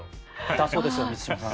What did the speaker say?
だそうです、満島さん。